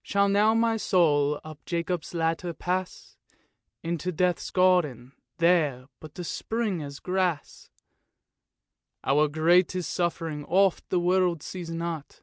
Shall now my soul up Jacob's ladder pass Into Death's garden, there but to spring as grass ?" Our greatest suffering oft the world sees not.